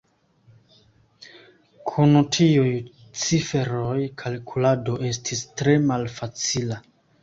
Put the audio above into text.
Kun tiuj ciferoj kalkulado estis tre malfacila.